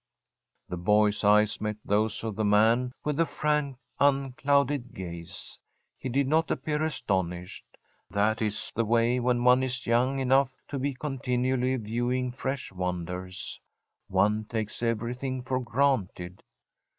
The boy's eyes met those of the man with a frank, unclouded gaze. He did not appear astonished. That is the way when one is young enough to be continually viewing fresh wonders; one takes everything for granted.